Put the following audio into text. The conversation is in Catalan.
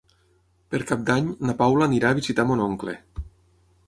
Per Cap d'Any na Paula anirà a visitar mon oncle.